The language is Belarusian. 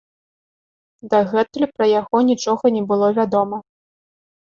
Дагэтуль пра яго нічога не было вядома.